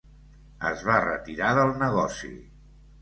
Es va retirar del negoci.